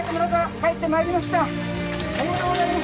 ありがとうございます。